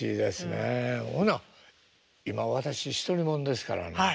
ほな今私独り者ですからね。